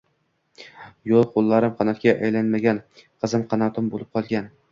Yo`q, qo`llarim qanotga aylanmagan, qizim qanotim bo`lib qolgan